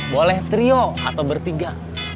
boleh trio atau bertiga